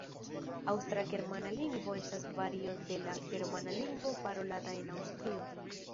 Aŭstra-germana lingvo estas vario de la Germana lingvo parolata en Aŭstrio.